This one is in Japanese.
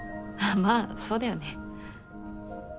まあそうだよね。